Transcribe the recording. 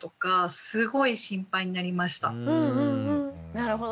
なるほど。